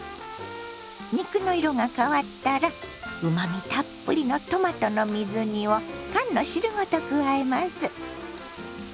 肉の色が変わったらうまみたっぷりのトマトの水煮を缶の汁ごと加えます。